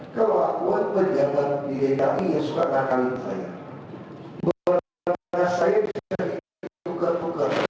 kontribusi tambahan yang harus diadakan sebenarnya dari siapa